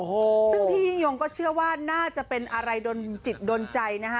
ซึ่งพี่ยิ่งยงก็เชื่อว่าน่าจะเป็นอะไรโดนจิตโดนใจนะคะ